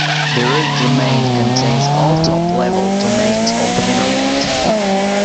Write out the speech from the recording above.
The root domain contains all top-level domains of the Internet.